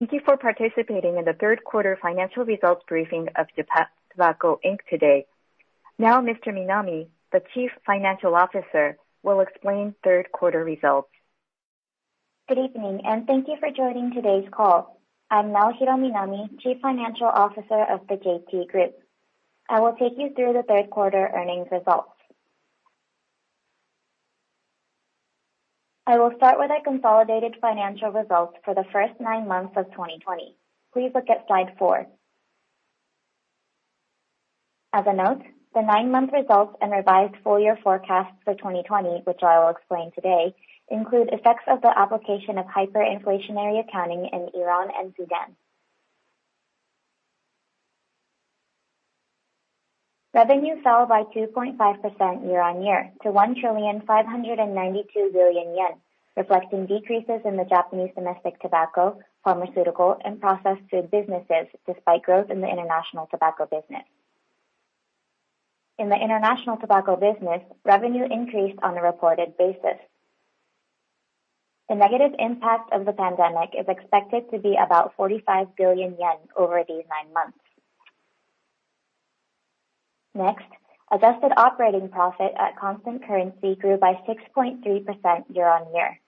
Thank you for participating in the third quarter financial results briefing of Japan Tobacco Inc. today. Now, Mr. Minami, the Chief Financial Officer, will explain third quarter results. Good evening, and thank you for joining today's call. I'm Naohiro Minami, Chief Financial Officer of the JT Group. I will take you through the third quarter earnings results. I will start with our consolidated financial results for the first nine months of 2020. Please look at slide 4. As a note, the nine-month results and revised full-year forecasts for 2020, which I will explain today, include effects of the application of hyperinflationary accounting in Iran and Sudan. Revenue fell by 2.5% year-on-year to 1 trillion yen 592 billion, reflecting decreases in the Japanese domestic tobacco, pharmaceutical, and processed food businesses despite growth in the International Tobacco business. In the International Tobacco business, revenue increased on a reported basis. The negative impact of the pandemic is expected to be about 45 billion yen over these nine months. Next, adjusted operating profit at constant currency grew by 6.3% year-on-year.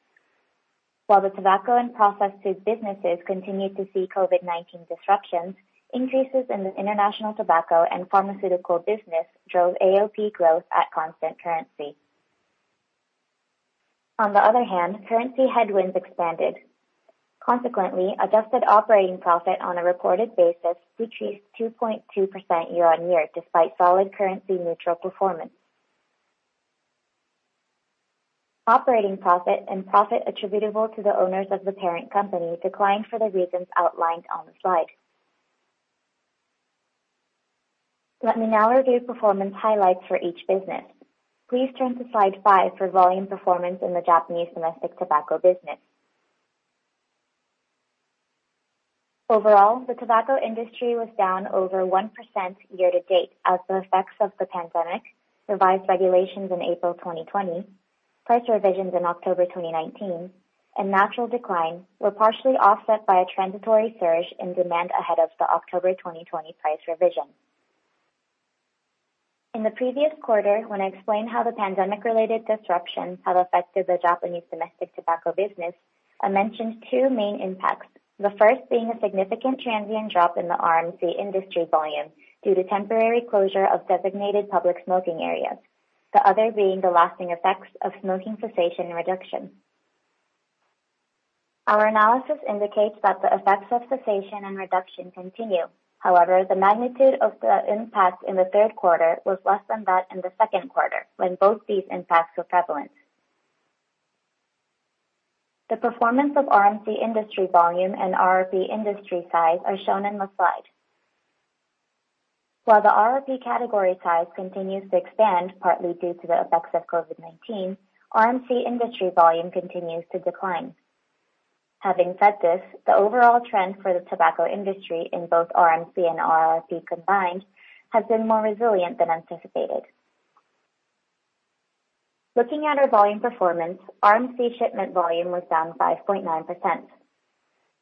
While the tobacco and Processed Food businesses continued to see COVID-19 disruptions, increases in the international tobacco and Pharmaceutical business drove AOP growth at constant currency. On the other hand, currency headwinds expanded. Consequently, adjusted operating profit on a reported basis decreased 2.2% year-on-year despite solid currency-neutral performance. Operating profit and profit attributable to the owners of the parent company declined for the reasons outlined on the slide. Let me now review performance highlights for each business. Please turn to slide 5 for volume performance in the Japanese Domestic Tobacco Business. Overall, the tobacco industry was down over 1% year-to-date as the effects of the pandemic, revised regulations in April 2020, price revisions in October 2019, and natural decline were partially offset by a transitory surge in demand ahead of the October 2020 price revision. In the previous quarter, when I explained how the pandemic-related disruptions have affected the Japanese Domestic Tobacco Business, I mentioned two main impacts, the first being a significant transient drop in the RMC industry volume due to temporary closure of designated public smoking areas, the other being the lasting effects of smoking cessation and reduction. Our analysis indicates that the effects of cessation and reduction continue. However, the magnitude of the impact in the third quarter was less than that in the second quarter when both these impacts were prevalent. The performance of RMC industry volume and RRP industry size are shown in the slide. While the RRP category size continues to expand, partly due to the effects of COVID-19, RMC industry volume continues to decline. Having said this, the overall trend for the tobacco industry in both RMC and RRP combined has been more resilient than anticipated. Looking at our volume performance, RMC shipment volume was down 5.9%.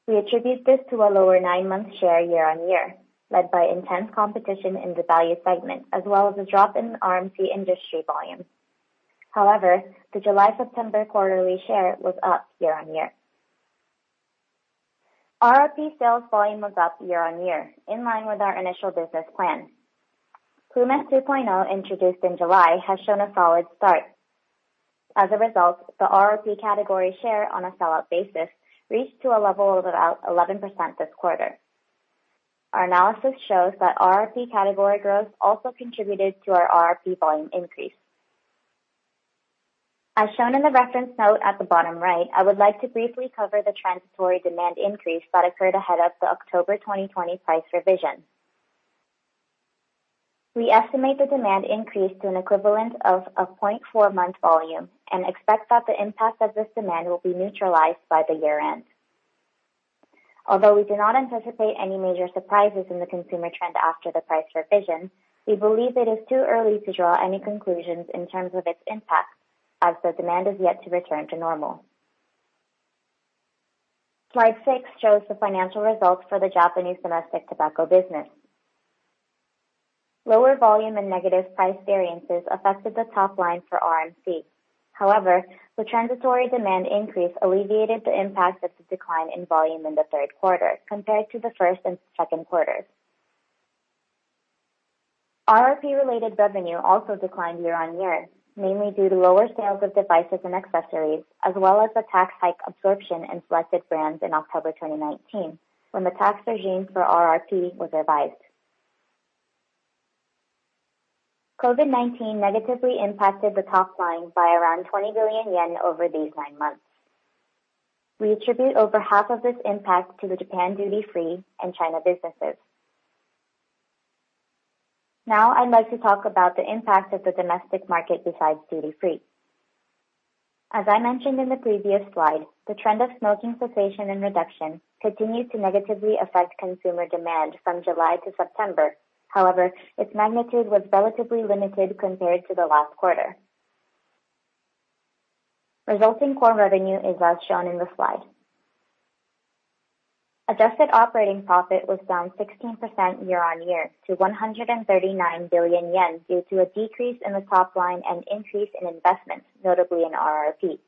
We attribute this to a lower nine-month share year-on-year, led by intense competition in the value segment, as well as a drop in RMC industry volume. However, the July-September quarterly share was up year-on-year. RRP sales volume was up year-on-year, in line with our initial business plan. Ploom S 2.0, introduced in July, has shown a solid start. As a result, the RRP category share on a sell-out basis reached a level of about 11% this quarter. Our analysis shows that RRP category growth also contributed to our RRP volume increase. As shown in the reference note at the bottom right, I would like to briefly cover the transitory demand increase that occurred ahead of the October 2020 price revision. We estimate the demand increased to an equivalent of a 0.4-month volume and expect that the impact of this demand will be neutralized by the year-end. Although we do not anticipate any major surprises in the consumer trend after the price revision, we believe it is too early to draw any conclusions in terms of its impact as the demand is yet to return to normal. Slide 6 shows the financial results for the Japanese Domestic Tobacco Business. Lower volume and negative price variances affected the top line for RMC. However, the transitory demand increase alleviated the impact of the decline in volume in the third quarter compared to the first and second quarters. RRP-related revenue also declined year-on-year, mainly due to lower sales of devices and accessories, as well as the tax hike absorption in selected brands in October 2019 when the tax regime for RRP was revised. COVID-19 negatively impacted the top line by around 20 billion yen over these nine months. We attribute over half of this impact to the Japan Duty Free and China businesses. Now, I'd like to talk about the impact of the domestic market besides duty-free. As I mentioned in the previous slide, the trend of smoking cessation and reduction continued to negatively affect consumer demand from July to September. However, its magnitude was relatively limited compared to the last quarter. Resulting core revenue is as shown in the slide. Adjusted operating profit was down 16% year-on-year to 139 billion yen due to a decrease in the top line and increase in investments, notably in RRP.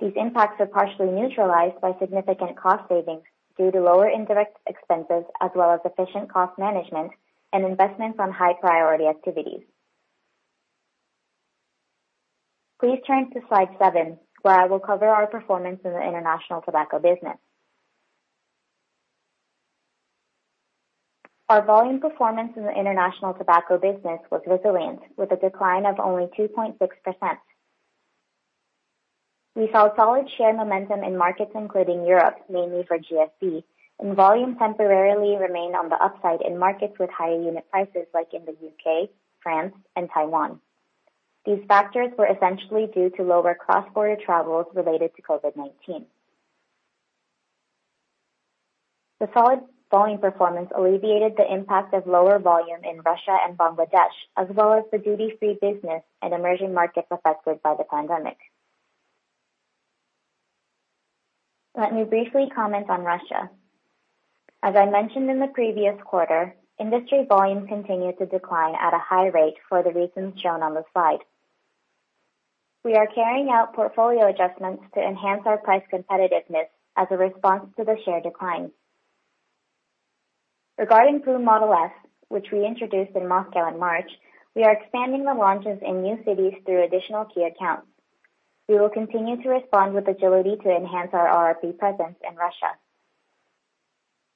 These impacts are partially neutralized by significant cost savings due to lower indirect expenses, as well as efficient cost management and investment on high-priority activities. Please turn to slide 7, where I will cover our performance in the International Tobacco business. Our volume performance in the International Tobacco business was resilient, with a decline of only 2.6%. We saw solid share momentum in markets including Europe, mainly for GFB, and volume temporarily remained on the upside in markets with higher unit prices like in the U.K., France, and Taiwan. These factors were essentially due to lower cross-border travels related to COVID-19. The solid volume performance alleviated the impact of lower volume in Russia and Bangladesh, as well as the duty-free business and emerging markets affected by the pandemic. Let me briefly comment on Russia. As I mentioned in the previous quarter, industry volume continued to decline at a high rate for the reasons shown on the slide. We are carrying out portfolio adjustments to enhance our price competitiveness as a response to the share decline. Regarding Ploom Model S, which we introduced in Moscow in March, we are expanding the launches in new cities through additional key accounts. We will continue to respond with agility to enhance our RRP presence in Russia.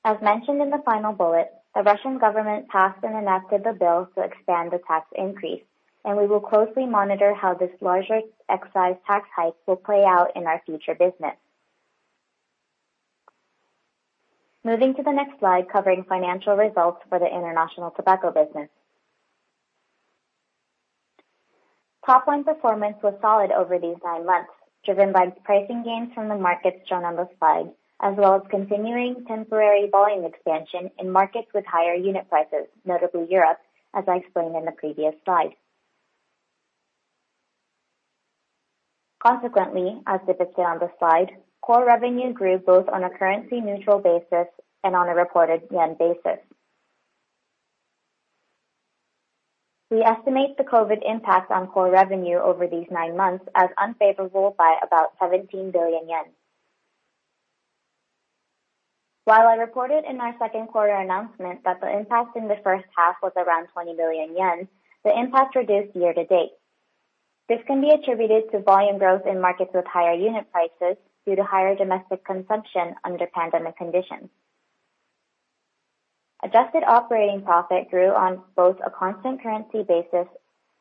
As mentioned in the final bullet, the Russian government passed and enacted the bill to expand the tax increase, and we will closely monitor how this larger excise tax hike will play out in our future business. Moving to the next slide covering financial results for the International Tobacco business. Top line performance was solid over these nine months, driven by pricing gains from the markets shown on the slide, as well as continuing temporary volume expansion in markets with higher unit prices, notably Europe, as I explained in the previous slide. Consequently, as depicted on the slide, core revenue grew both on a currency-neutral basis and on a reported yen basis. We estimate the COVID impact on core revenue over these nine months as unfavorable by about 17 billion yen. While I reported in our second quarter announcement that the impact in the first half was around 20 billion yen, the impact reduced year-to-date. This can be attributed to volume growth in markets with higher unit prices due to higher domestic consumption under pandemic conditions. Adjusted operating profit grew on both a constant currency basis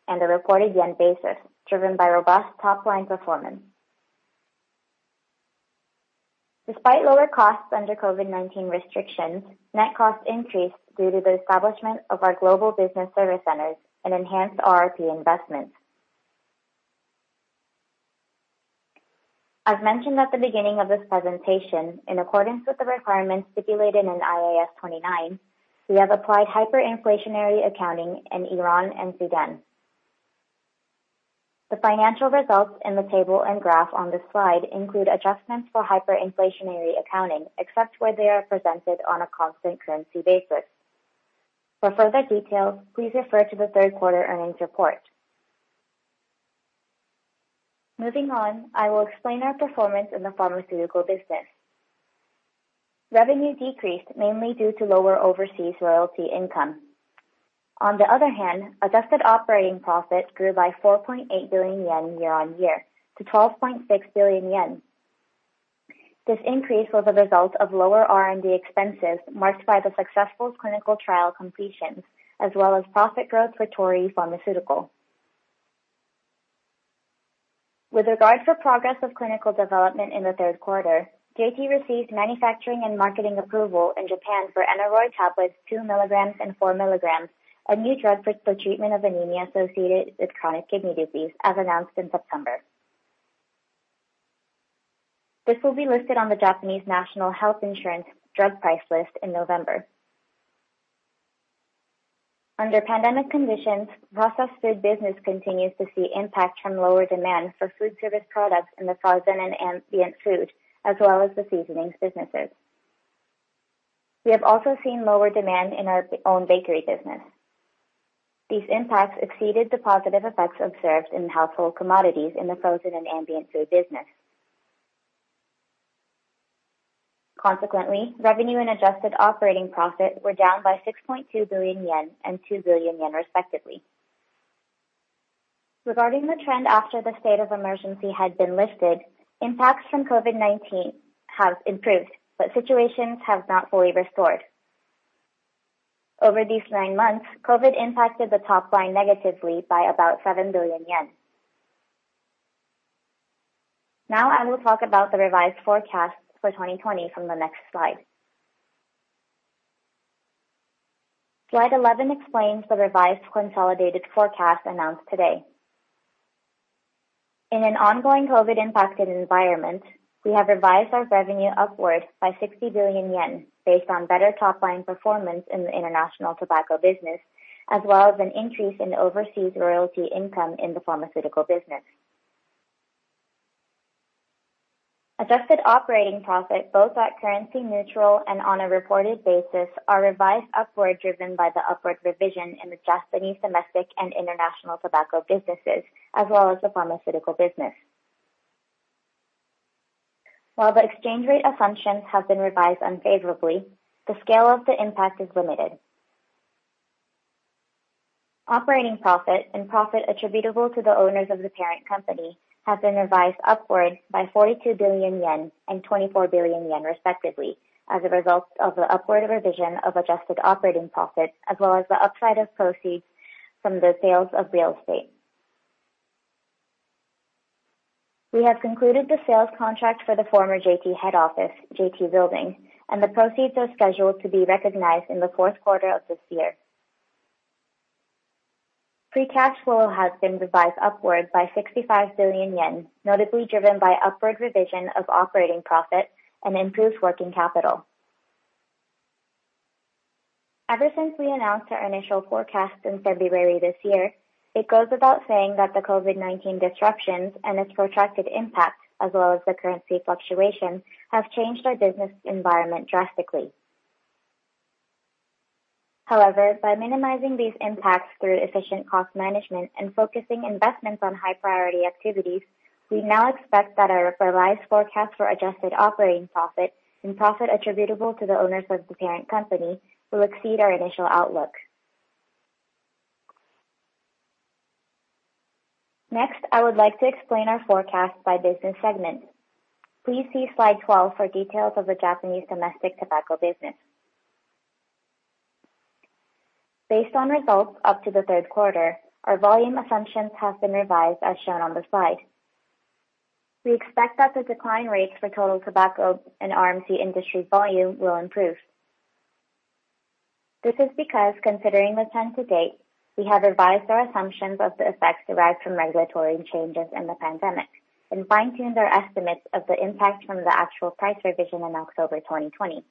and a reported yen basis, driven by robust top line performance. Despite lower costs under COVID-19 restrictions, net costs increased due to the establishment of our global business service centers and enhanced RRP investments. As mentioned at the beginning of this presentation, in accordance with the requirements stipulated in IAS 29, we have applied hyperinflationary accounting in Iran and Sudan. The financial results in the table and graph on the slide include adjustments for hyperinflationary accounting, except where they are presented on a constant currency basis. For further details, please refer to the third quarter earnings report. Moving on, I will explain our performance in the Pharmaceutical business. Revenue decreased mainly due to lower overseas royalty income. On the other hand, adjusted operating profit grew by 4.8 billion yen year-on-year to 12.6 billion yen. This increase was a result of lower R&D expenses marked by the successful clinical trial completions, as well as profit growth for Torii Pharmaceutical. With regard to progress of clinical development in the third quarter, JT received manufacturing and marketing approval in Japan for ENAROY Tablets 2 mg and 4 mg, a new drug for the treatment of anemia associated with chronic kidney disease, as announced in September. This will be listed on the Japanese National Health Insurance drug price list in November. Under pandemic conditions, Processed Food business continues to see impact from lower demand for food service products in the frozen and ambient food, as well as the seasonings businesses. We have also seen lower demand in our own bakery business. These impacts exceeded the positive effects observed in household commodities in the frozen and ambient food business. Consequently, revenue and adjusted operating profit were down by 6.2 billion yen and 2 billion yen, respectively. Regarding the trend after the state of emergency had been lifted, impacts from COVID-19 have improved, but situations have not fully restored. Over these nine months, COVID impacted the top line negatively by about 7 billion yen. Now, I will talk about the revised forecast for 2020 from the next slide. Slide 11 explains the revised consolidated forecast announced today. In an ongoing COVID-impacted environment, we have revised our revenue upward by 60 billion yen based on better top line performance in the International Tobacco business, as well as an increase in overseas royalty income in the Pharmaceutical business. Adjusted Operating Profit, both at currency-neutral and on a reported basis, are revised upward, driven by the upward revision in the Japanese domestic and International Tobacco businesses, as well as the Pharmaceutical business. While the exchange rate assumptions have been revised unfavorably, the scale of the impact is limited. Operating profit and profit attributable to the owners of the parent company have been revised upward by 42 billion yen and 24 billion yen, respectively, as a result of the upward revision of Adjusted Operating Profit, as well as the upside of proceeds from the sales of real estate. We have concluded the sales contract for the former JT head office, JT Building, and the proceeds are scheduled to be recognized in the fourth quarter of this year. Free cash flow has been revised upward by 65 billion yen, notably driven by upward revision of operating profit and improved working capital. Ever since we announced our initial forecast in February this year, it goes without saying that the COVID-19 disruptions and its protracted impact, as well as the currency fluctuation, have changed our business environment drastically. However, by minimizing these impacts through efficient cost management and focusing investments on high-priority activities, we now expect that our revised forecast for adjusted operating profit and profit attributable to the owners of the parent company will exceed our initial outlook. Next, I would like to explain our forecast by business segment. Please see slide 12 for details of the Japanese Domestic Tobacco Business. Based on results up to the third quarter, our volume assumptions have been revised, as shown on the slide. We expect that the decline rates for total tobacco and RMC industry volume will improve. This is because, considering the trend to date, we have revised our assumptions of the effects derived from regulatory changes in the pandemic and fine-tuned our estimates of the impact from the actual price revision in October 2020.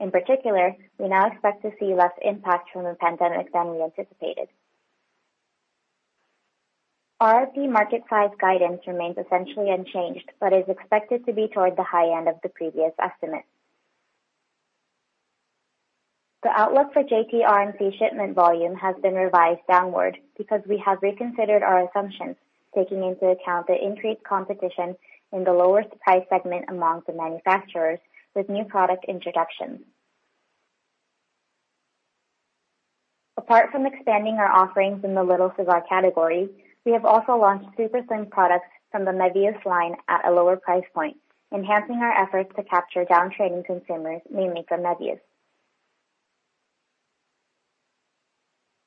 In particular, we now expect to see less impact from the pandemic than we anticipated. RRP market size guidance remains essentially unchanged but is expected to be toward the high end of the previous estimate. The outlook for JT RMC shipment volume has been revised downward because we have reconsidered our assumptions, taking into account the increased competition in the lowest price segment among the manufacturers with new product introductions. Apart from expanding our offerings in the little cigar categories, we have also launched super slim products from the Mevius line at a lower price point, enhancing our efforts to capture downtrading consumers, mainly from Mevius.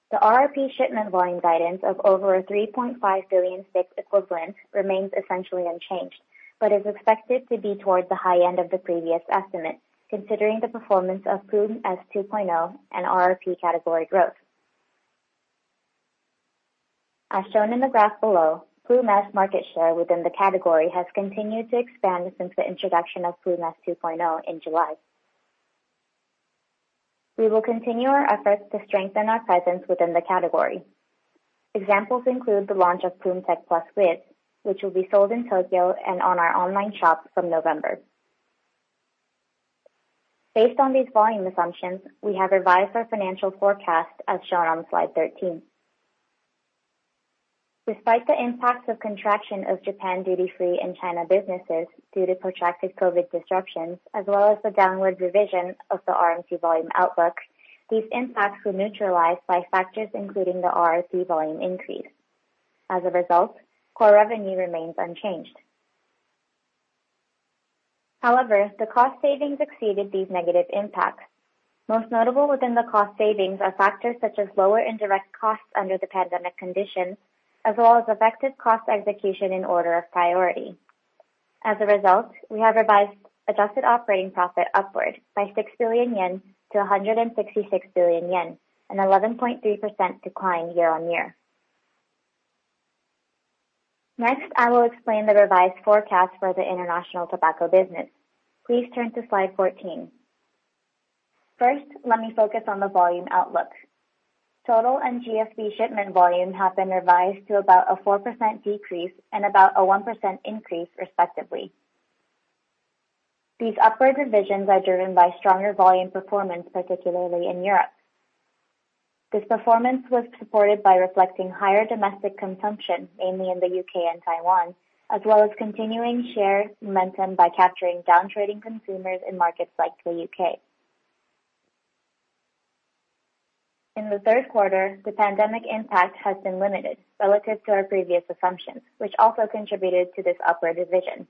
The RRP shipment volume guidance of over 3.5 billion stick equivalent remains essentially unchanged but is expected to be toward the high end of the previous estimate, considering the performance of Ploom S 2.0 and RRP category growth. As shown in the graph below, Ploom market share within the category has continued to expand since the introduction of Ploom S 2.0 in July. We will continue our efforts to strengthen our presence within the category. Examples include the launch of Ploom TECH+ with, which will be sold in Tokyo and on our online shop from November. Based on these volume assumptions, we have revised our financial forecast, as shown on Slide 13. Despite the impacts of contraction of Japan duty-free and China businesses due to protracted COVID disruptions, as well as the downward revision of the RMC volume outlook, these impacts were neutralized by factors including the RRP volume increase. As a result, core revenue remains unchanged. However, the cost savings exceeded these negative impacts. Most notable within the cost savings are factors such as lower indirect costs under the pandemic conditions, as well as effective cost execution in order of priority. As a result, we have revised adjusted operating profit upward by 6 billion-166 billion yen, an 11.3% decline year-on-year. Next, I will explain the revised forecast for the International Tobacco business. Please turn to slide 14. First, let me focus on the volume outlook. Total and GFB shipment volume have been revised to about a 4% decrease and about a 1% increase, respectively. These upward revisions are driven by stronger volume performance, particularly in Europe. This performance was supported by reflecting higher domestic consumption, mainly in the U.K. and Taiwan, as well as continuing share momentum by capturing downtrading consumers in markets like the U.K. In the third quarter, the pandemic impact has been limited relative to our previous assumptions, which also contributed to this upward revision.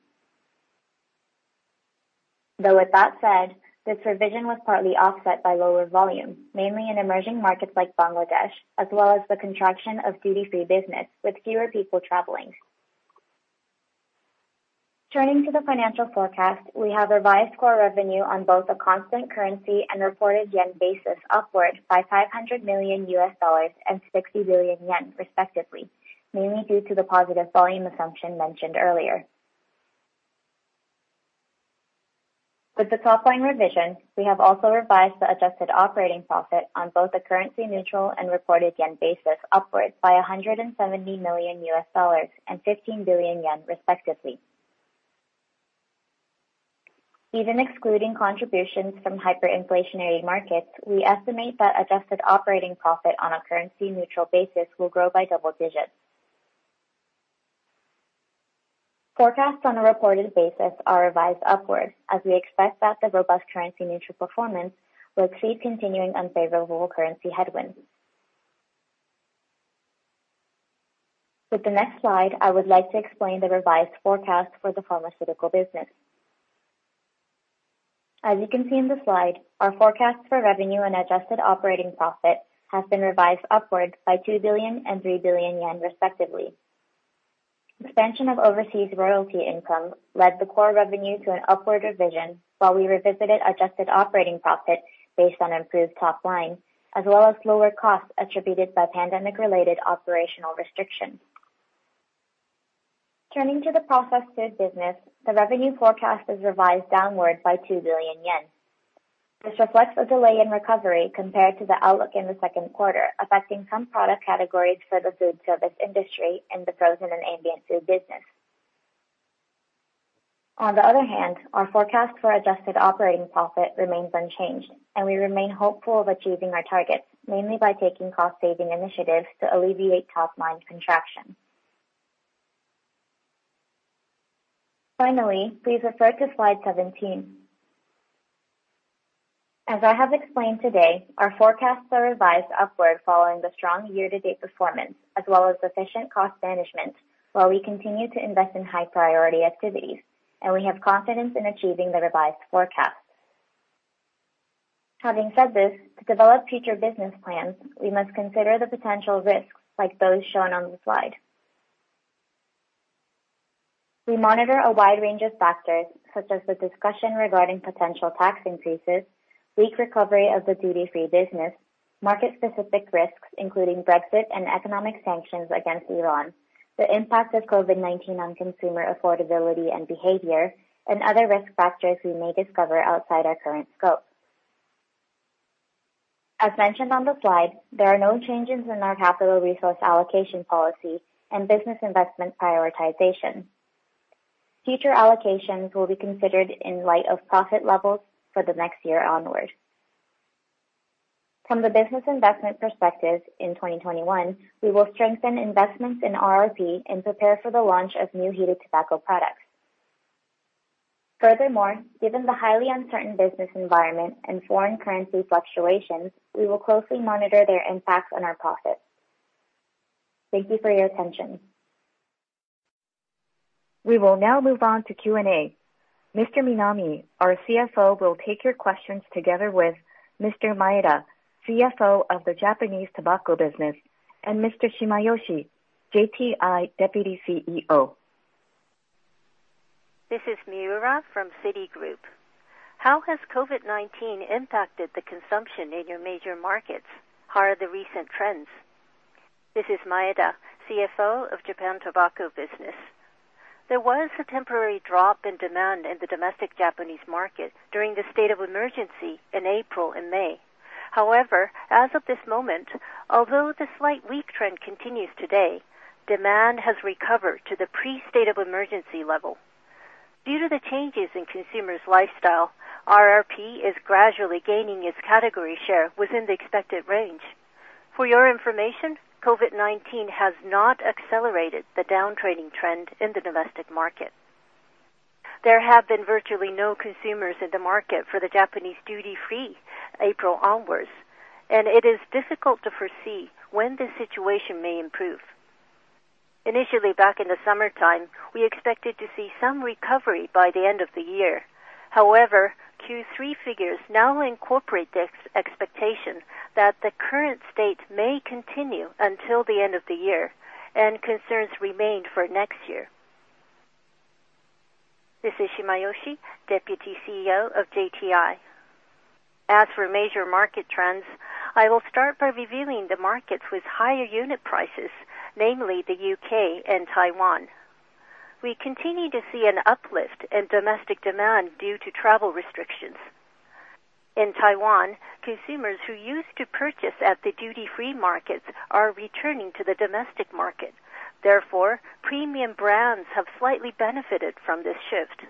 Though with that said, this revision was partly offset by lower volume, mainly in emerging markets like Bangladesh, as well as the contraction of duty-free business with fewer people traveling. Turning to the financial forecast, we have revised core revenue on both a constant currency and reported yen basis upward by $500 million and 60 billion yen, respectively, mainly due to the positive volume assumption mentioned earlier. With the top line revision, we have also revised the adjusted operating profit on both a currency-neutral and reported yen basis upward by $170 million and 15 billion yen, respectively. Even excluding contributions from hyperinflationary markets, we estimate that adjusted operating profit on a currency-neutral basis will grow by double digits. Forecasts on a reported basis are revised upward, as we expect that the robust currency-neutral performance will exceed continuing unfavorable currency headwinds. With the next slide, I would like to explain the revised forecast for the Pharmaceutical business. As you can see in the slide, our forecasts for revenue and adjusted operating profit have been revised upward by 2 billion and 3 billion yen, respectively. Expansion of overseas royalty income led the core revenue to an upward revision, while we revisited adjusted operating profit based on improved top line, as well as lower costs attributed by pandemic-related operational restrictions. Turning to the Processed Food business, the revenue forecast is revised downward by 2 billion yen. This reflects a delay in recovery compared to the outlook in the second quarter, affecting some product categories for the food service industry and the frozen and ambient food business. On the other hand, our forecast for adjusted operating profit remains unchanged, and we remain hopeful of achieving our targets, mainly by taking cost-saving initiatives to alleviate top line contraction. Finally, please refer to slide 17. As I have explained today, our forecasts are revised upward following the strong year-to-date performance, as well as efficient cost management, while we continue to invest in high-priority activities, and we have confidence in achieving the revised forecast. Having said this, to develop future business plans, we must consider the potential risks, like those shown on the slide. We monitor a wide range of factors, such as the discussion regarding potential tax increases, weak recovery of the duty-free business, market-specific risks including Brexit and economic sanctions against Iran, the impact of COVID-19 on consumer affordability and behavior, and other risk factors we may discover outside our current scope. As mentioned on the slide, there are no changes in our capital resource allocation policy and business investment prioritization. Future allocations will be considered in light of profit levels for the next year onward. From the business investment perspective, in 2021, we will strengthen investments in RRP and prepare for the launch of new heated tobacco products. Furthermore, given the highly uncertain business environment and foreign currency fluctuations, we will closely monitor their impacts on our profits. Thank you for your attention. We will now move on to Q&A. Mr. Minami, our CFO, will take your questions together with Mr. Maeda, CFO of the Japanese Tobacco Business, and Mr. Shimayoshi, JTI Deputy CEO. This is Miura from Citigroup. How has COVID-19 impacted the consumption in your major markets? How are the recent trends? This is Maeda, CFO of the Japanese Tobacco Business. There was a temporary drop in demand in the domestic Japanese market during the state of emergency in April and May. However, as of this moment, although the slight weak trend continues today, demand has recovered to the pre-state of emergency level. Due to the changes in consumers' lifestyle, RRP is gradually gaining its category share within the expected range. For your information, COVID-19 has not accelerated the downtrading trend in the domestic market. There have been virtually no consumers in the market for the Japanese duty-free April onwards, and it is difficult to foresee when this situation may improve. Initially, back in the summertime, we expected to see some recovery by the end of the year. However, Q3 figures now incorporate the expectation that the current state may continue until the end of the year, and concerns remain for next year. This is Shimayoshi, Deputy CEO of JTI. As for major market trends, I will start by reviewing the markets with higher unit prices, namely the U.K. and Taiwan. We continue to see an uplift in domestic demand due to travel restrictions. In Taiwan, consumers who used to purchase at the duty-free markets are returning to the domestic market. Therefore, premium brands have slightly benefited from this shift.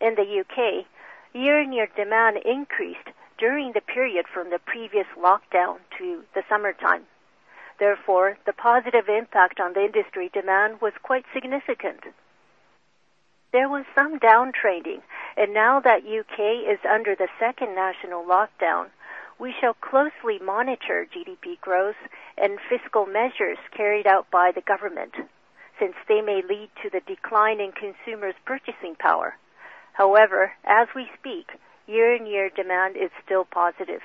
In the U.K., year-on-year demand increased during the period from the previous lockdown to the summertime. Therefore, the positive impact on the industry demand was quite significant. There was some downtrading, and now that U.K. is under the second national lockdown, we shall closely monitor GDP growth and fiscal measures carried out by the government, since they may lead to the decline in consumers' purchasing power. However, as we speak, year-on-year demand is still positive.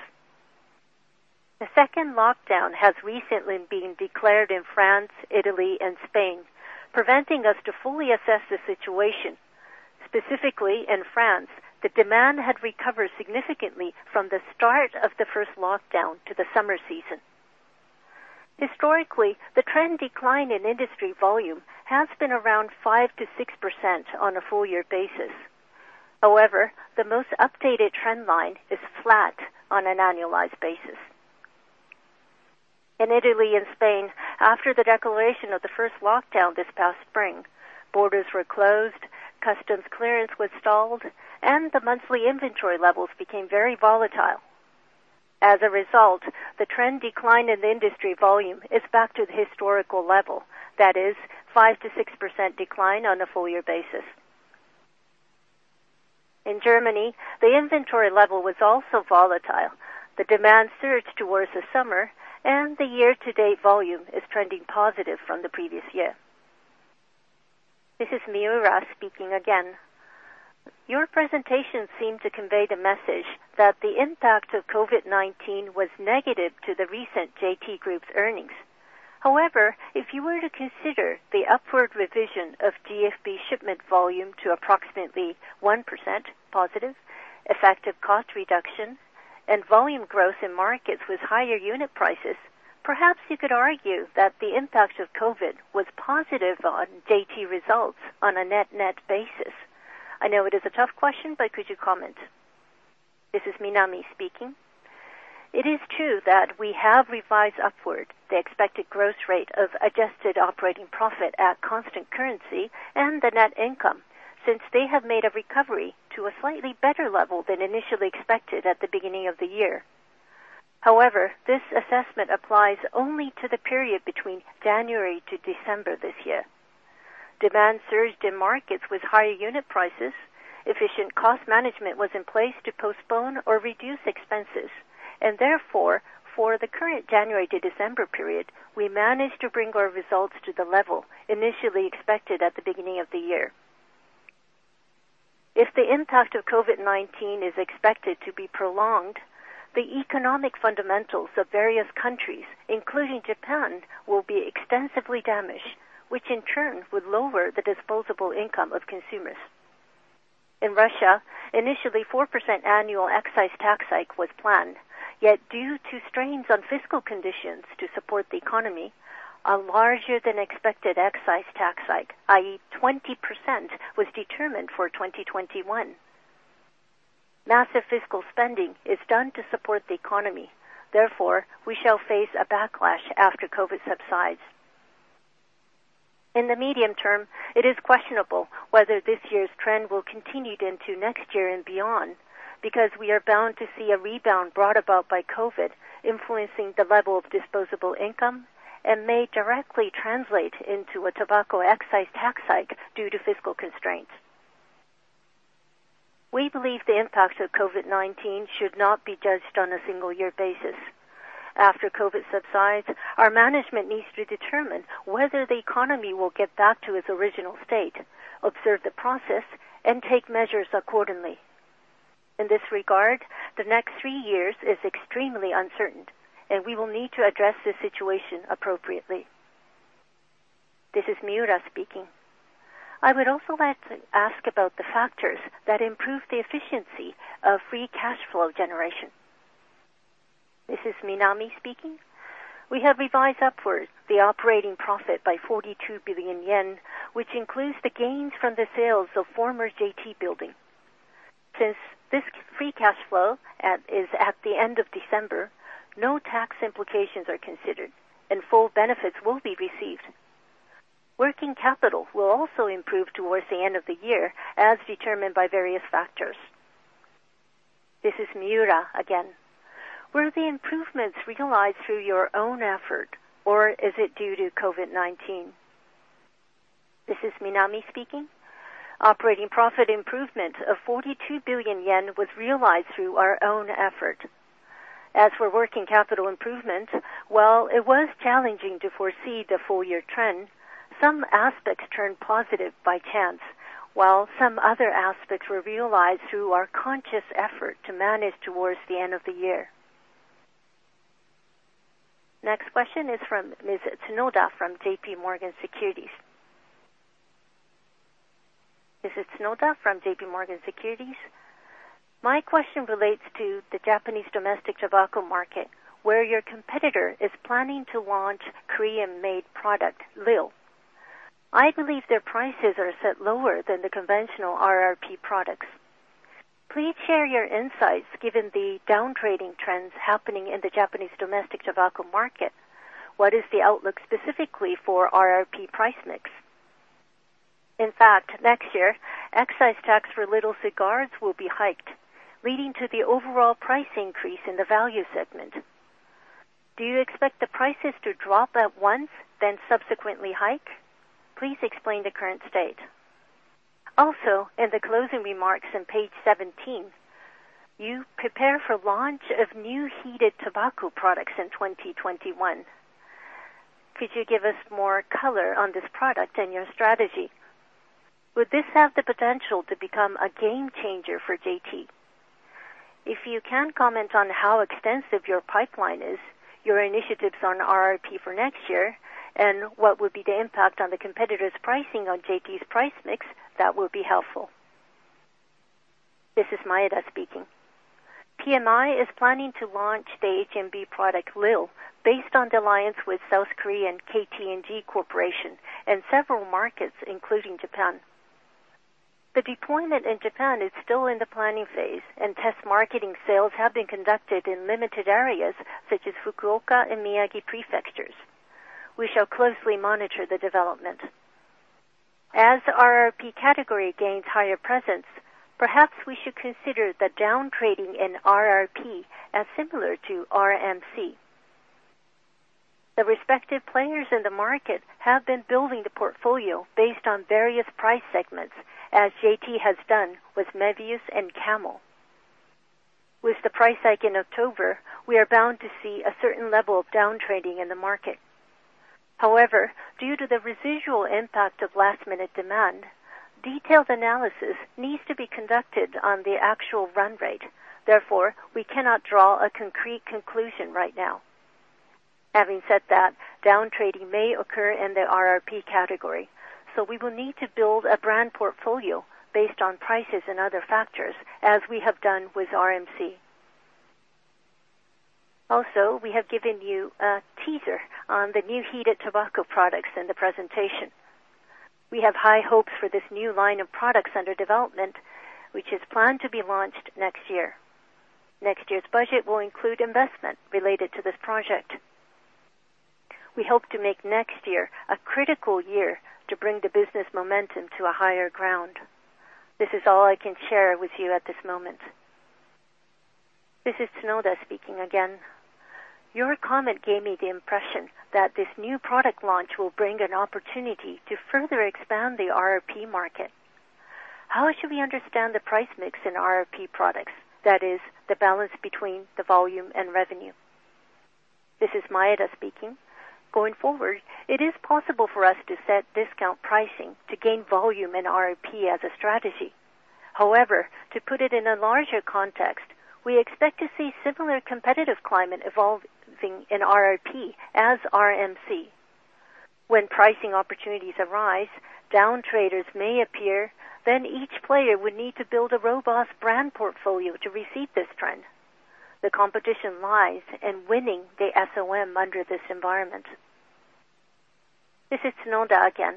The second lockdown has recently been declared in France, Italy, and Spain, preventing us from fully assessing the situation. Specifically, in France, the demand had recovered significantly from the start of the first lockdown to the summer season. Historically, the trend decline in industry volume has been around 5%-6% on a full-year basis. However, the most updated trend line is flat on an annualized basis. In Italy and Spain, after the declaration of the first lockdown this past spring, borders were closed, customs clearance was stalled, and the monthly inventory levels became very volatile. As a result, the trend decline in the industry volume is back to the historical level, that is, 5%-6% decline on a full-year basis. In Germany, the inventory level was also volatile. The demand surged towards the summer, and the year-to-date volume is trending positive from the previous year. This is Miura speaking again. Your presentation seemed to convey the message that the impact of COVID-19 was negative to the recent JT Group's earnings. However, if you were to consider the upward revision of GFB shipment volume to approximately 1% positive, effective cost reduction, and volume growth in markets with higher unit prices, perhaps you could argue that the impact of COVID was positive on JT results on a net-net basis. I know it is a tough question, but could you comment? This is Minami speaking. It is true that we have revised upward the expected growth rate of adjusted operating profit at constant currency and the net income, since they have made a recovery to a slightly better level than initially expected at the beginning of the year. However, this assessment applies only to the period between January to December this year. Demand surged in markets with higher unit prices. Efficient cost management was in place to postpone or reduce expenses, and therefore, for the current January to December period, we managed to bring our results to the level initially expected at the beginning of the year. If the impact of COVID-19 is expected to be prolonged, the economic fundamentals of various countries, including Japan, will be extensively damaged, which in turn would lower the disposable income of consumers. In Russia, initially 4% annual excise tax hike was planned, yet due to strains on fiscal conditions to support the economy, a larger-than-expected excise tax hike, i.e., 20%, was determined for 2021. Massive fiscal spending is done to support the economy. Therefore, we shall face a backlash after COVID subsides. In the medium term, it is questionable whether this year's trend will continue into next year and beyond, because we are bound to see a rebound brought about by COVID influencing the level of disposable income and may directly translate into a tobacco excise tax hike due to fiscal constraints. We believe the impact of COVID-19 should not be judged on a single-year basis. After COVID subsides, our management needs to determine whether the economy will get back to its original state, observe the process, and take measures accordingly. In this regard, the next three years is extremely uncertain, and we will need to address this situation appropriately. This is Miura speaking. I would also like to ask about the factors that improve the efficiency of free cash flow generation. This is Minami speaking. We have revised upward the operating profit by 42 billion yen, which includes the gains from the sales of former JT building. Since this free cash flow is at the end of December, no tax implications are considered, and full benefits will be received. Working capital will also improve towards the end of the year, as determined by various factors. This is Miura again. Were the improvements realized through your own effort, or is it due to COVID-19? This is Minami speaking. Operating profit improvement of 42 billion yen was realized through our own effort. As for working capital improvement, while it was challenging to foresee the full-year trend, some aspects turned positive by chance, while some other aspects were realized through our conscious effort to manage towards the end of the year. Next question is from Ms. Tsunoda from JPMorgan Securities. This is Tsunoda from JPMorgan Securities. My question relates to the Japanese domestic tobacco market, where your competitor is planning to launch Korean-made product, lil. I believe their prices are set lower than the conventional RRP products. Please share your insights given the downtrading trends happening in the Japanese domestic tobacco market. What is the outlook specifically for RRP price mix? In fact, next year, excise tax for little cigars will be hiked, leading to the overall price increase in the value segment. Do you expect the prices to drop at once, then subsequently hike? Please explain the current state. Also, in the closing remarks in page 17, you prepare for launch of new heated tobacco products in 2021. Could you give us more color on this product and your strategy? Would this have the potential to become a game changer for JT? If you can comment on how extensive your pipeline is, your initiatives on RRP for next year, and what would be the impact on the competitor's pricing on JT's price mix, that would be helpful. This is Maeda speaking. PMI is planning to launch the HNB product lil based on the alliance with South Korean KT&G Corporation and several markets, including Japan. The deployment in Japan is still in the planning phase, and test marketing sales have been conducted in limited areas such as Fukuoka and Miyagi prefectures. We shall closely monitor the development. As RRP category gains higher presence, perhaps we should consider the downtrading in RRP as similar to RMC. The respective players in the market have been building the portfolio based on various price segments, as JT has done with Mevius and Camel. With the price hike in October, we are bound to see a certain level of downtrading in the market. However, due to the residual impact of last-minute demand, detailed analysis needs to be conducted on the actual run rate. Therefore, we cannot draw a concrete conclusion right now. Having said that, downtrading may occur in the RRP category, so we will need to build a brand portfolio based on prices and other factors, as we have done with RMC. Also, we have given you a teaser on the new heated tobacco products in the presentation. We have high hopes for this new line of products under development, which is planned to be launched next year. Next year's budget will include investment related to this project. We hope to make next year a critical year to bring the business momentum to a higher ground. This is all I can share with you at this moment. This is Tsunoda speaking again. Your comment gave me the impression that this new product launch will bring an opportunity to further expand the RRP market. How should we understand the price mix in RRP products, that is, the balance between the volume and revenue? This is Maeda speaking. Going forward, it is possible for us to set discount pricing to gain volume in RRP as a strategy. However, to put it in a larger context, we expect to see similar competitive climate evolving in RRP as RMC. When pricing opportunities arise, down traders may appear, then each player would need to build a robust brand portfolio to receive this trend. The competition lies in winning the SOM under this environment. This is Tsunoda again.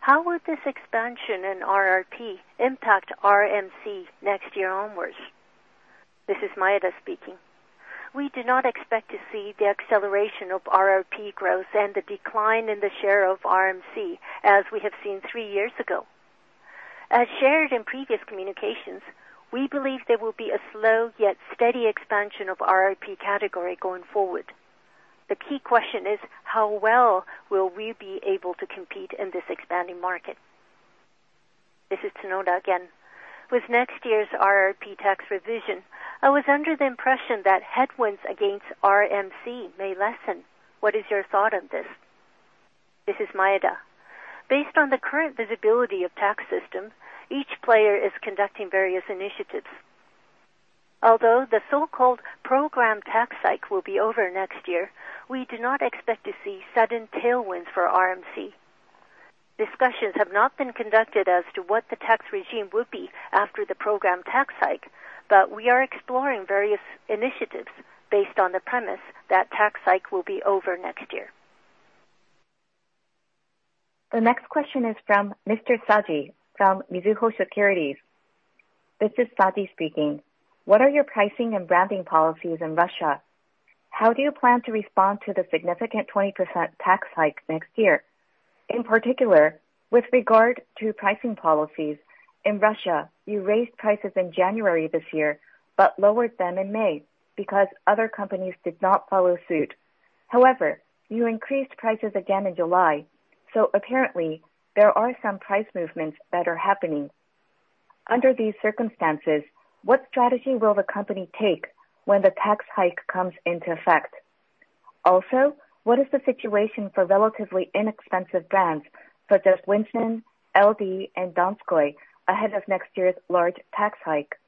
How would this expansion in RRP impact RMC next year onwards? This is Maeda speaking. We do not expect to see the acceleration of RRP growth and the decline in the share of RMC, as we have seen three years ago. As shared in previous communications, we believe there will be a slow yet steady expansion of RRP category going forward. The key question is, how well will we be able to compete in this expanding market? This is Tsunoda again. With next year's RRP tax revision, I was under the impression that headwinds against RMC may lessen. What is your thought on this? This is Maeda. Based on the current visibility of the tax system, each player is conducting various initiatives. Although the so-called program tax hike will be over next year, we do not expect to see sudden tailwinds for RMC. Discussions have not been conducted as to what the tax regime would be after the program tax hike, but we are exploring various initiatives based on the premise that the tax hike will be over next year. The next question is from Mr. Saji from Mizuho Securities. This is Saji speaking. What are your pricing and branding policies in Russia? How do you plan to respond to the significant 20% tax hike next year? In particular, with regard to pricing policies, in Russia, you raised prices in January this year but lowered them in May because other companies did not follow suit. However, you increased prices again in July, so apparently, there are some price movements that are happening. Under these circumstances, what strategy will the company take when the tax hike comes into effect? Also, what is the situation for relatively inexpensive brands such as Winston, LD, and Donskoy, ahead of next year's large tax hike?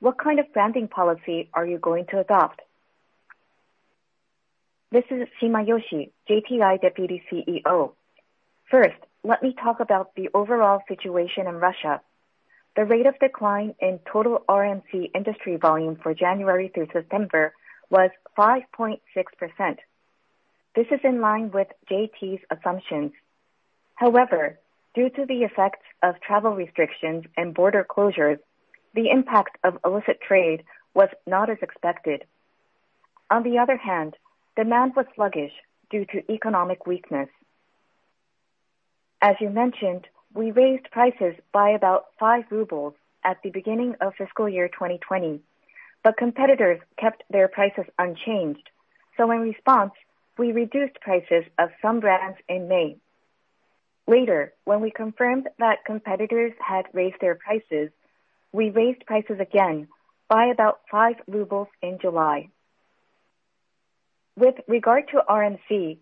What kind of branding policy are you going to adopt? This is Shimayoshi, JTI Deputy CEO. First, let me talk about the overall situation in Russia. The rate of decline in total RMC industry volume for January through September was 5.6%. This is in line with JT's assumptions. However, due to the effects of travel restrictions and border closures, the impact of illicit trade was not as expected. On the other hand, demand was sluggish due to economic weakness. As you mentioned, we raised prices by about 5 rubles at the beginning of fiscal year 2020, but competitors kept their prices unchanged, so in response, we reduced prices of some brands in May. Later, when we confirmed that competitors had raised their prices, we raised prices again by about 5 rubles in July. With regard to RMC,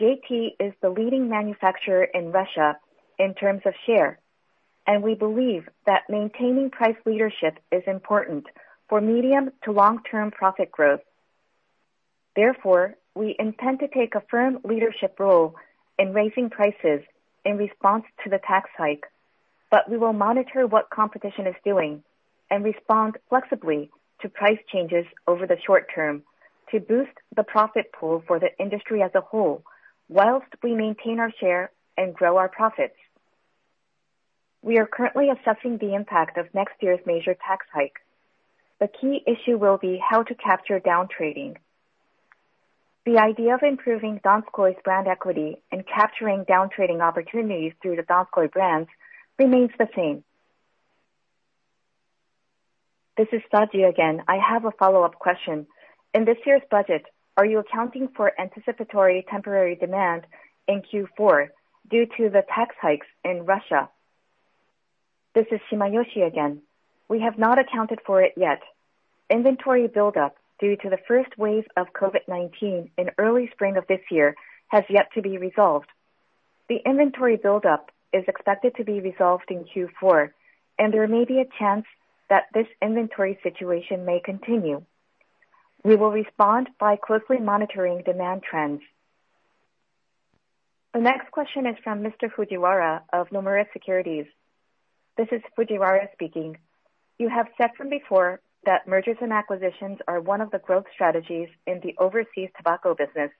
JT is the leading manufacturer in Russia in terms of share, and we believe that maintaining price leadership is important for medium to long-term profit growth. Therefore, we intend to take a firm leadership role in raising prices in response to the tax hike, but we will monitor what competition is doing and respond flexibly to price changes over the short term to boost the profit pool for the industry as a whole, whilst we maintain our share and grow our profits. We are currently assessing the impact of next year's major tax hike. The key issue will be how to capture downtrading. The idea of improving Donskoy's brand equity and capturing downtrading opportunities through the Donskoy brands remains the same. This is Saji again. I have a follow-up question. In this year's budget, are you accounting for anticipatory temporary demand in Q4 due to the tax hikes in Russia? This is Shimayoshi again. We have not accounted for it yet. Inventory buildup due to the first wave of COVID-19 in early spring of this year has yet to be resolved. The inventory buildup is expected to be resolved in Q4, and there may be a chance that this inventory situation may continue. We will respond by closely monitoring demand trends. The next question is from Mr. Fujiwara of Nomura Securities. This is Fujiwara speaking. You have said from before that mergers and acquisitions are one of the growth strategies in the overseas tobacco business.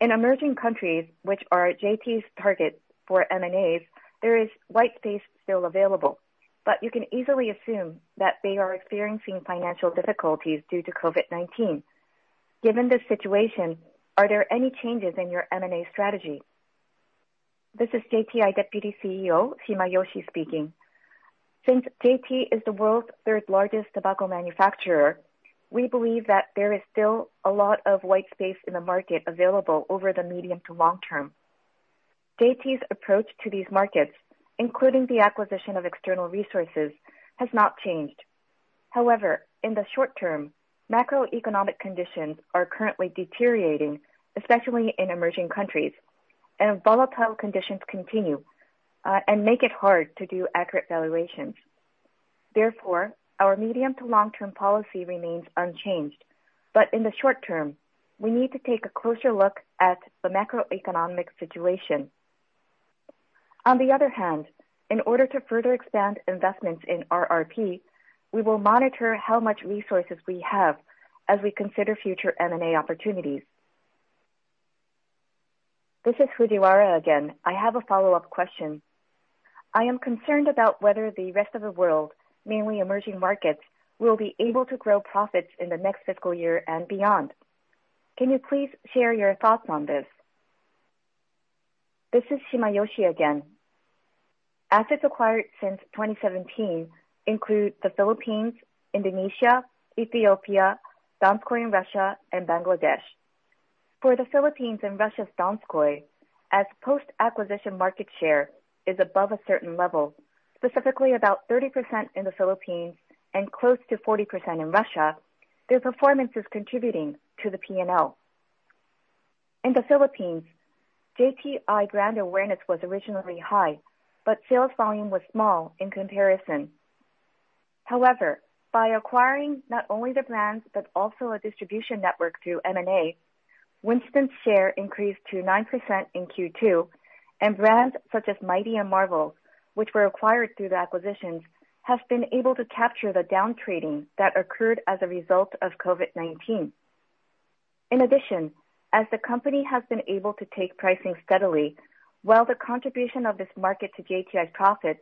In emerging countries, which are JT's target for M&As, there is white space still available, but you can easily assume that they are experiencing financial difficulties due to COVID-19. Given this situation, are there any changes in your M&A strategy? This is JTI Deputy CEO Shimayoshi speaking. Since JT is the world's third-largest tobacco manufacturer, we believe that there is still a lot of white space in the market available over the medium to long term. JT's approach to these markets, including the acquisition of external resources, has not changed. However, in the short term, macroeconomic conditions are currently deteriorating, especially in emerging countries, and volatile conditions continue and make it hard to do accurate valuations. Therefore, our medium to long-term policy remains unchanged, but in the short term, we need to take a closer look at the macroeconomic situation. On the other hand, in order to further expand investments in RRP, we will monitor how much resources we have as we consider future M&A opportunities. This is Fujiwara again. I have a follow-up question. I am concerned about whether the rest of the world, mainly emerging markets, will be able to grow profits in the next fiscal year and beyond. Can you please share your thoughts on this? This is Shimayoshi again. Assets acquired since 2017 include the Philippines, Indonesia, Ethiopia, Donskoy in Russia, and Bangladesh. For the Philippines and Russia's Donskoy, as post-acquisition market share is above a certain level, specifically about 30% in the Philippines and close to 40% in Russia, their performance is contributing to the P&L. In the Philippines, JTI brand awareness was originally high, but sales volume was small in comparison. However, by acquiring not only the brands but also a distribution network through M&A, Winston's share increased to 9% in Q2, and brands such as Mevius and Marvels, which were acquired through the acquisitions, have been able to capture the downtrading that occurred as a result of COVID-19. In addition, as the company has been able to take pricing steadily, while the contribution of this market to JTI's profits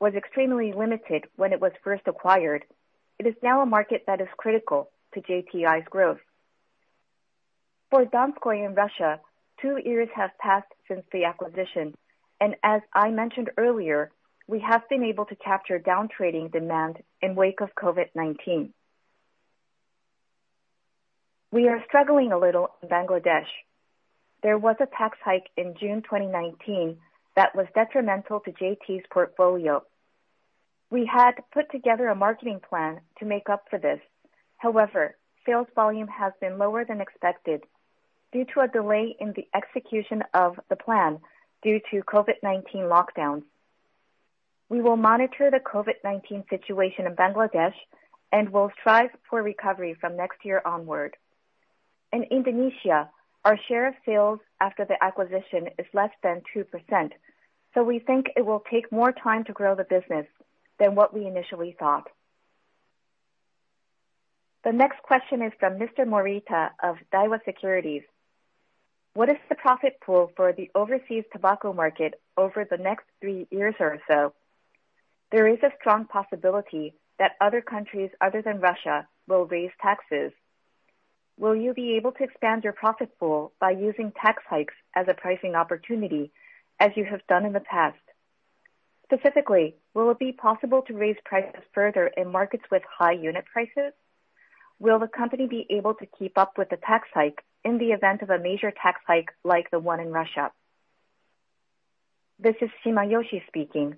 was extremely limited when it was first acquired, it is now a market that is critical to JTI's growth. For Donskoy in Russia, two years have passed since the acquisition, and as I mentioned earlier, we have been able to capture downtrading demand in the wake of COVID-19. We are struggling a little in Bangladesh. There was a tax hike in June 2019 that was detrimental to JT's portfolio. We had put together a marketing plan to make up for this. However, sales volume has been lower than expected due to a delay in the execution of the plan due to COVID-19 lockdowns. We will monitor the COVID-19 situation in Bangladesh and will strive for recovery from next year onward. In Indonesia, our share of sales after the acquisition is less than 2%, so we think it will take more time to grow the business than what we initially thought. The next question is from Mr. Morita of Daiwa Securities. What is the profit pool for the overseas tobacco market over the next three years or so? There is a strong possibility that other countries other than Russia will raise taxes. Will you be able to expand your profit pool by using tax hikes as a pricing opportunity, as you have done in the past? Specifically, will it be possible to raise prices further in markets with high unit prices? Will the company be able to keep up with the tax hike in the event of a major tax hike like the one in Russia? This is Shimayoshi speaking.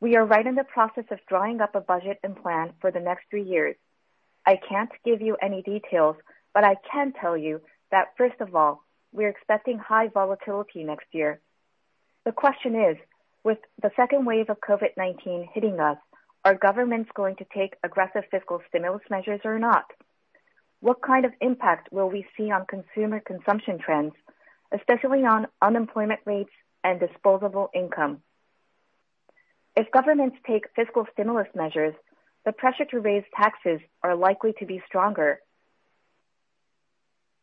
We are right in the process of drawing up a budget and plan for the next three years. I can't give you any details, but I can tell you that, first of all, we're expecting high volatility next year. The question is, with the second wave of COVID-19 hitting us, are governments going to take aggressive fiscal stimulus measures or not? What kind of impact will we see on consumer consumption trends, especially on unemployment rates and disposable income? If governments take fiscal stimulus measures, the pressure to raise taxes is likely to be stronger.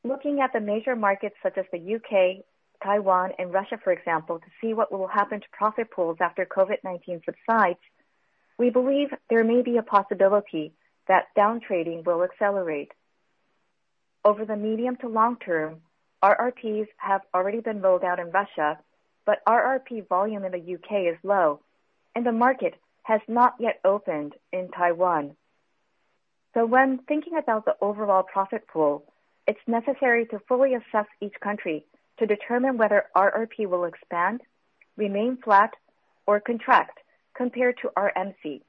Looking at the major markets such as the U.K., Taiwan, and Russia, for example, to see what will happen to profit pools after COVID-19 subsides, we believe there may be a possibility that downtrading will accelerate. Over the medium to long term, RRPs have already been rolled out in Russia, but RRP volume in the UK is low, and the market has not yet opened in Taiwan. So when thinking about the overall profit pool, it's necessary to fully assess each country to determine whether RRP will expand, remain flat, or contract compared to RMC.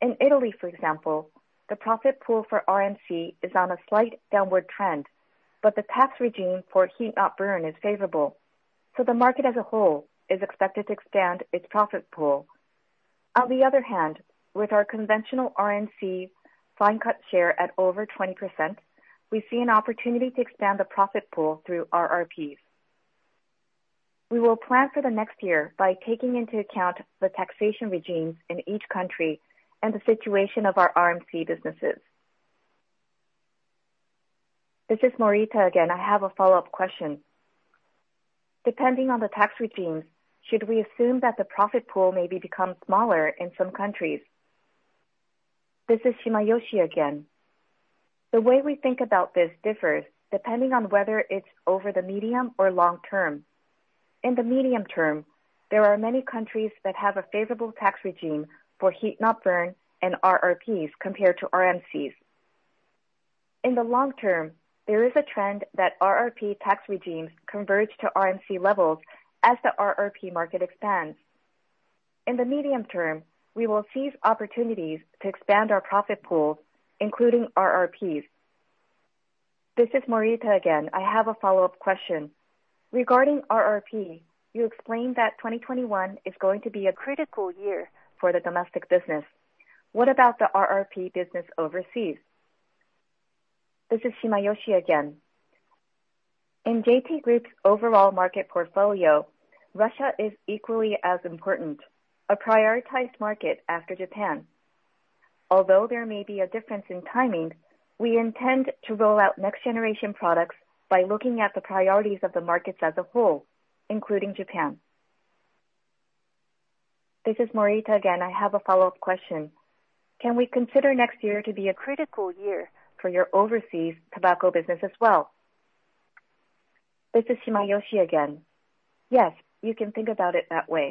In Italy, for example, the profit pool for RMC is on a slight downward trend, but the tax regime for heat-not-burn is favorable, so the market as a whole is expected to expand its profit pool. On the other hand, with our conventional RMC fine-cut share at over 20%, we see an opportunity to expand the profit pool through RRPs. We will plan for the next year by taking into account the taxation regimes in each country and the situation of our RMC businesses. This is Morita again. I have a follow-up question. Depending on the tax regimes, should we assume that the profit pool may become smaller in some countries? This is Shimayoshi again. The way we think about this differs depending on whether it's over the medium or long term. In the medium term, there are many countries that have a favorable tax regime for heat-not-burn and RRPs compared to RMCs. In the long term, there is a trend that RRP tax regimes converge to RMC levels as the RRP market expands. In the medium term, we will seize opportunities to expand our profit pool, including RRPs. This is Morita again. I have a follow-up question. Regarding RRP, you explained that 2021 is going to be a critical year for the domestic business. What about the RRP business overseas? This is Shimayoshi again. In JT Group's overall market portfolio, Russia is equally as important, a prioritized market after Japan. Although there may be a difference in timing, we intend to roll out next-generation products by looking at the priorities of the markets as a whole, including Japan. This is Morita again. I have a follow-up question. Can we consider next year to be a critical year for your overseas tobacco business as well? This is Shimayoshi again. Yes, you can think about it that way.